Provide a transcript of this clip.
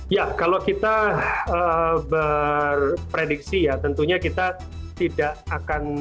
ya kalau kita berprediksi ya tentunya kita tidak akan